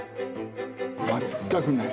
全くない。